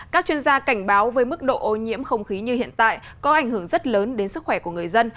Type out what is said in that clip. các chuyên gia cảnh báo với mức độ ô nhiễm không khí như hiện tại có ảnh hưởng rất lớn đến sức khỏe của người dân